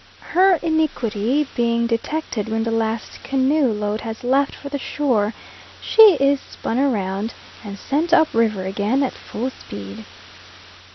Her iniquity being detected when the last canoe load has left for the shore, she is spun round and sent up river again at full speed.